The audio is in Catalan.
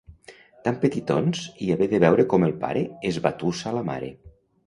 Tan petitons i haver de veure com el pare esbatussa la mare!